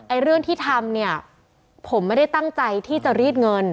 เรื่องที่ทำเนี่ยผมไม่ได้ตั้งใจที่จะรีดเงิน